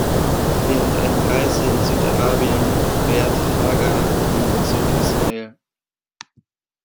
Während einer Reise in Südarabien gebärt Hagar ihm den Sohn Ismael.